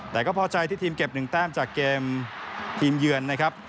แต่ก็พอใจที่ทีมเก็บ๑แต้มจากเกมทีมเยือนนะครับ